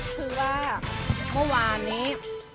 คือว่าเมื่อวานนี้